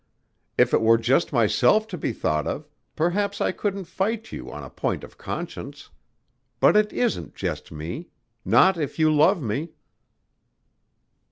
If it were just myself to be thought of, perhaps I couldn't fight you on a point of conscience. But it isn't just me not if you love me."